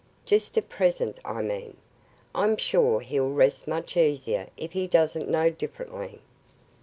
Just at present, I mean? I'm sure he'll rest much easier if he doesn't know differently."